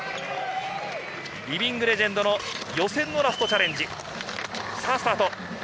リビングレジェンド、予選のラストチャレンジ。